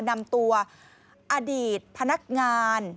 นำตัวอดีตพนักงาน